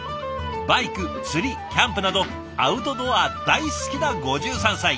バイク釣りキャンプなどアウトドア大好きな５３歳。